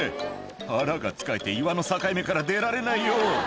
「腹がつかえて岩の境目から出られないよ！」